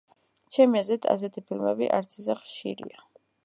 ჩემი აზრით, ასეთი ფილმები არც ისე ხშირია.